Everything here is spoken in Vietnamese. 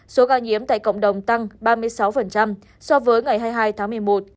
số ca nhiễm tại cộng đồng tăng ba mươi sáu so với ngày hai mươi hai tháng một mươi một